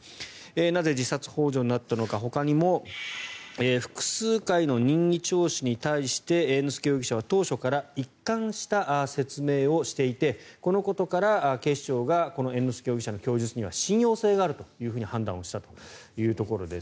なぜ自殺ほう助になったのかほかにも複数回の任意聴取に対して猿之助容疑者は当初から一貫した説明をしていてこのことから警視庁が猿之助容疑者の供述には信用性があると判断をしたというところです。